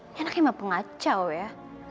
ini anaknya mah pengacau ya